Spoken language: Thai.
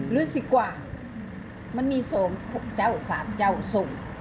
หรือสิกว่ามันมีส่ง๖เจ้า๓เจ้าส่ง